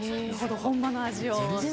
本場の味を。